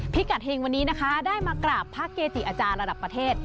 พิกัดเฮงวันนี้นะคะได้มากราบพระเกจิอาจารย์ระดับประเทศ